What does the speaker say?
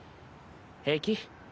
平気？